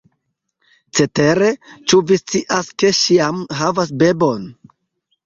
Cetere, ĉu vi scias, ke ŝi jam havas bebon?